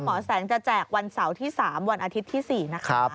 หมอแสงจะแจกวันเสาร์ที่๓วันอาทิตย์ที่๔นะคะ